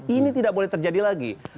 ini tidak boleh terjadi lagi